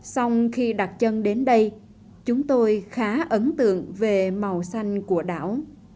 xong khi đặt chân đến đây chúng tôi khá ấn tượng về màu xanh của đảo